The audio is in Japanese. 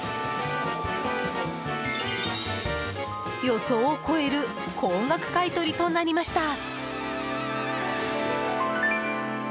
予想を超える高額買い取りとなりました。